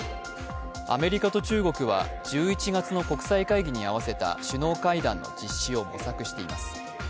アメリカと中国は１１月の国際会議に合わせた首脳会談の実施を模索しています。